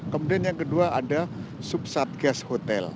kemudian yang kedua ada sub satgas hotel